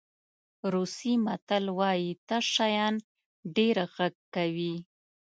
روسي متل وایي تش شیان ډېر غږ کوي.